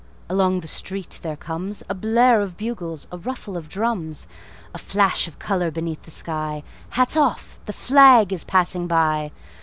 Along the street there comesA blare of bugles, a ruffle of drums,A flash of color beneath the sky:Hats off! The flag is passing by!